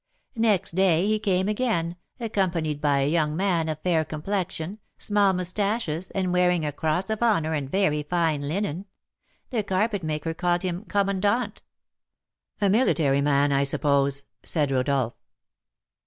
Next day he came again, accompanied by a young man of fair complexion, small moustaches, and wearing a cross of honour and very fine linen. The carpet maker called him commandant." "A military man, I suppose?" said Rodolph.